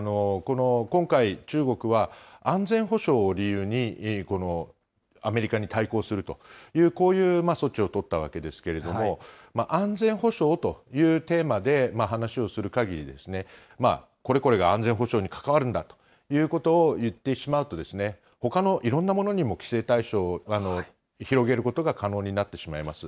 今回、中国は、安全保障を理由にこのアメリカに対抗するという、こういう措置を取ったわけですけれども、安全保障というテーマで話しをするかぎり、これこれが安全保障に関わるんだということを言ってしまうと、ほかのいろんなものにも規制対象、広げることが可能になってしまいます。